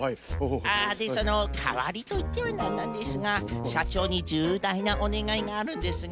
あでそのかわりといってはなんなんですがしゃちょうにじゅうだいなおねがいがあるんですが。